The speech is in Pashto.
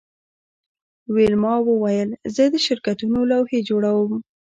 ویلما وویل زه د شرکتونو لوحې جوړوم